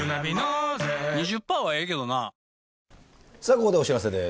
ここでお知らせです。